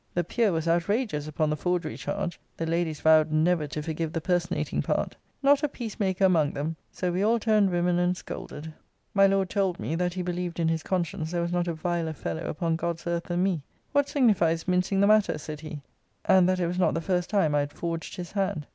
The Peer was outrageous upon the forgery charge. The Ladies vowed never to forgive the personating part. Not a peace maker among them. So we all turned women, and scolded. My Lord told me, that he believed in his conscience there was not a viler fellow upon God's earth than me. What signifies mincing the matter? said he and that it was not the first time I had forged his hand.